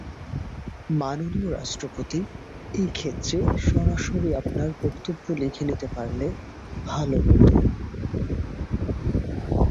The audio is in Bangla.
মাননীয় রাষ্ট্রপতি, এক্ষেত্রে সরাসরি আপনার বক্তব্য লিখে নিতে পারলে ভালো হতো।